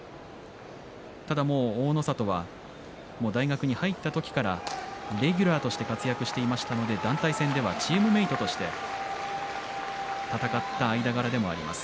ただ大の里は大学に入った時からレギュラーとして活躍していましたので団体戦ではチームメートとして戦った間柄でもあります。